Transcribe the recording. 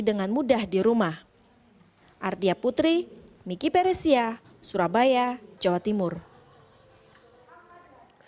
dan bisa diikuti dengan mudah di rumah